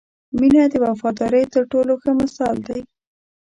• مینه د وفادارۍ تر ټولو ښه مثال دی.